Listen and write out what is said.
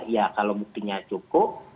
ya kalau buktinya cukup